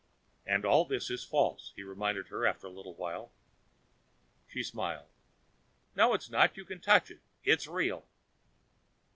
"And all this is false," he reminded her after a little while. She smiled. "No it's not. You can touch it. It's real."